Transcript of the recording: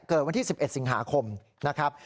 เกิดวันที่๑๑สิงหาคมนะครับ